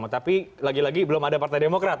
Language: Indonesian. tapi lagi lagi belum ada partai demokrat